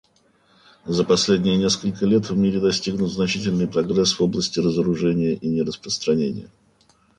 За последние несколько лет в мире достигнут значительный прогресс в области разоружения и нераспространения.